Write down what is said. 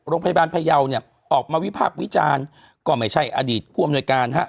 โรงพยาบาลไพรเยาเนี่ยออกมาวิภาควิจารณ์ก็ไม่ใช่อดีตผู้อำนวยการ